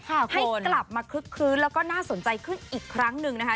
ให้กลับมาคึกคลื้นแล้วก็น่าสนใจขึ้นอีกครั้งหนึ่งนะคะ